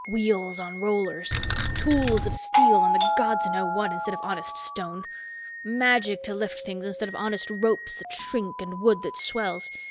Wheels on rollers! Tools of steel and the gods know what instead of honest stone. Magic to lift things instead of honest ropes that shrink and wood that swells.